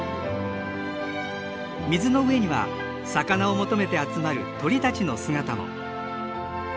水の上には魚を求めて集まる鳥たちの姿も。